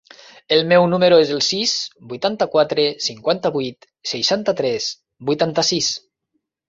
El meu número es el sis, vuitanta-quatre, cinquanta-vuit, seixanta-tres, vuitanta-sis.